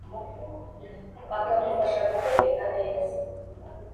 aka mufasha guteka neza